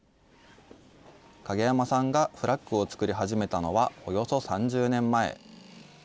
影山さんがフラッグ作りを始めたのはおよそ３０年前。